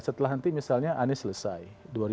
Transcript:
setelah nanti misalnya anies selesai